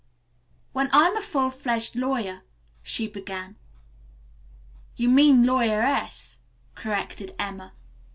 "When I'm a full fledged lawyer " she began. "You mean a lawyeress," corrected Emma.